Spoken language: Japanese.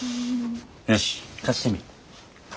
よし貸してみ。